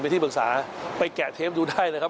เป็นที่ปรึกษาไปแกะเทปดูได้เลยครับ